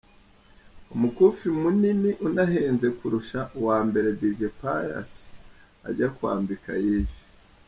Umukufi munini unahenze kurusha uwa mbere Dj Pius ajya kuwambika Yves.